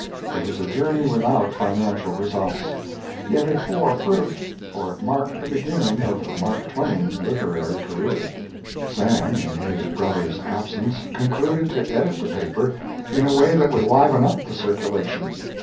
It was a journey without financial results; yet it bore fruit, for it marked the beginning of Mark Twain's literary career. Sam, in his brother's absence, concluded to edit the paper in a way that would liven up the circulation.